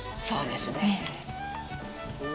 そうですね。